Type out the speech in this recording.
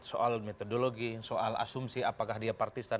soal metodologi soal asumsi apakah dia partisan